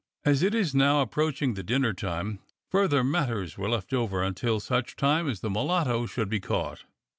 As it was now approaching dinner time, further mat ters were left over until such time as the mulatto should be caught.